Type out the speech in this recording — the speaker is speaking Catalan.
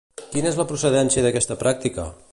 Quina és la procedència d'aquesta pràctica?